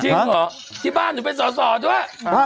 จริงหรอที่บ้านหนูเป็นศศด้วย